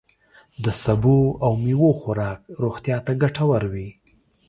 د سبوو او میوو خوراک روغتیا ته ګتور وي.